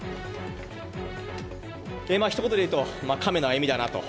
ひと言で言うと、亀の歩みだなと。